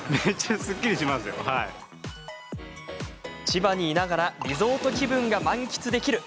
千葉にいながらリゾート気分が満喫できる。